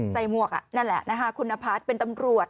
ใส่มวกนั่นแหละคุณนพัทย์เป็นตำรวจ